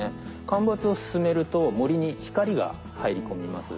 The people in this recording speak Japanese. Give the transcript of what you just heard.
間伐を進めると森に光が入り込みます。